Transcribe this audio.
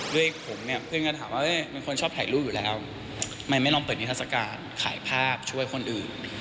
ผมเนี่ยเพื่อนก็ถามว่าเป็นคนชอบถ่ายรูปอยู่แล้วทำไมไม่ลองเปิดนิทัศกาลขายภาพช่วยคนอื่น